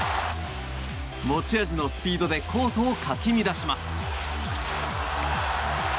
持ち味のスピードでコートをかき乱します。